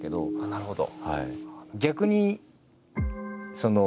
なるほど。